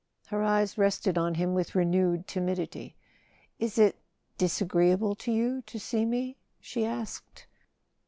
Her eyes rested on him with renewed timidity. " Is it—disagreeable to you to see me?" she asked.